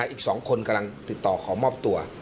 อีก๒คนกำลังติดต่อขอมอบตัว